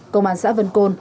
công an xã vân côn